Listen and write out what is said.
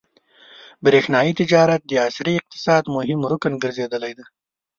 برېښنايي تجارت د عصري اقتصاد مهم رکن ګرځېدلی دی.